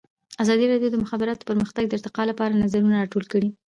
ازادي راډیو د د مخابراتو پرمختګ د ارتقا لپاره نظرونه راټول کړي.